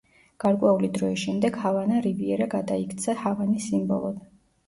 გარკვეული დროის შემდეგ ჰავანა რივიერა გადაიქცა ჰავანის სიმბოლოდ.